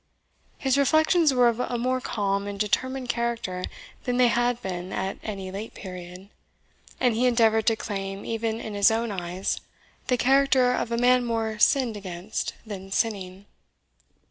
His reflections were of a more calm and determined character than they had been at any late period, and he endeavoured to claim, even in his own eyes, the character of a man more sinned against than sinning.